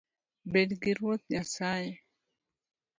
Bedgi Ruoth Nyasaye